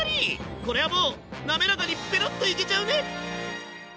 これはもうなめらかにぺろっといけちゃうね。